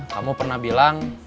kamu pernah bilang